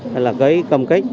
hay là cái công kết